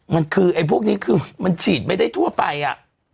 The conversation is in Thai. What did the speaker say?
มันคือไอ้พวกนี้คือมันฉีดไม่ได้ทั่วไปอ่ะ